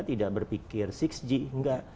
tidak berpikir enam g enggak